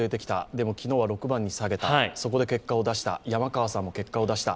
でも昨日は６番に下げた、そこで結果を出した、山川さんも結果を出した。